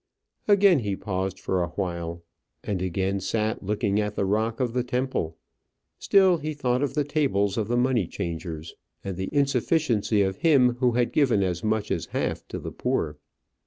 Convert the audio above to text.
Again he paused for awhile, and again sat looking at the rock of the temple. Still he thought of the tables of the money changers, and the insufficiency of him who had given as much as half to the poor.